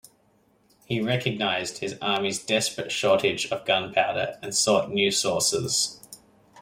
He recognized his army's desperate shortage of gunpowder and sought new sources.